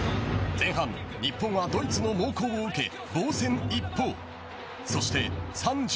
前半日本はドイツの猛攻を受け防戦一方。